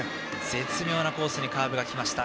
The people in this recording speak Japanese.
絶妙なコースにカーブが来ました。